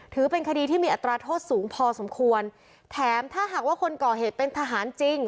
ถือเป็นคดีที่มีอัตราโทษสูงพอสมควรแถมถ้าหากว่าคนก่อเหตุเป็นทหารจริง